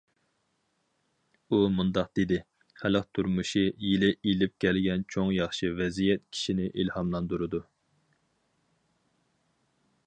ئۇ مۇنداق دېدى: خەلق تۇرمۇشى يىلى ئېلىپ كەلگەن چوڭ ياخشى ۋەزىيەت كىشىنى ئىلھاملاندۇرىدۇ.